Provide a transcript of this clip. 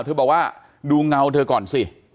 เธอบอกว่าดูเงาเธอก่อนสิ